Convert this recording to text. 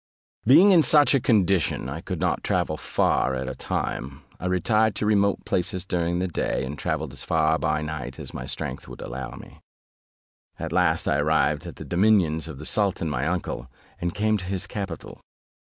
Being in such a condition, I could not travel far at a time; I retired to remote places during the day, and travelled as far by night as my strength would allow me. At last I arrived in the dominions of the sultan my uncle, and came to his capital.